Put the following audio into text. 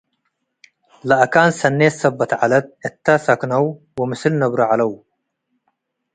ለአካን ሰኔ'ት ሰበት ዐለት፣ እተ' ሰክነው ወምስል ነብሮ ዐለው።